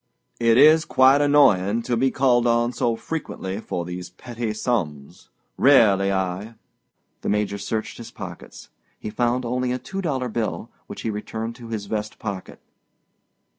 "It is quite annoying to be called on so frequently for these petty sums, Really, I—" The Major searched his pockets. He found only a two dollar bill, which he returned to his vest pocket.